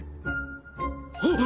あっ！？